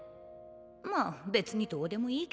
まあ別にどうでもいいけど。